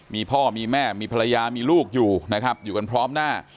มีพ่อมีแม่มีภรรยามีลูกอยู่นะครับอยู่กันพร้อมหน้า